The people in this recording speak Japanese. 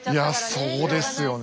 そうですね。